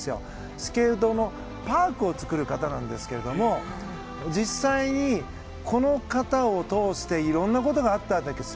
スケートのパークを作る方なんですが実際に、この方を通していろんなことがあったんです。